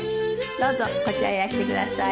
どうぞこちらへいらしてください。